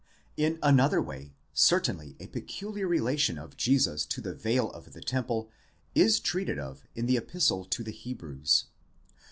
In another way, certainly, a peculiar relation of Jesus to the veil of the temple is treated of in the Epistle to the Hebrews.